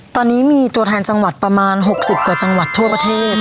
ตอนนี้มีตัวแทนจังหวัดประมาณ๖๐กว่าจังหวัดทั่วประเทศ